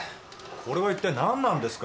これは一体何なんですか？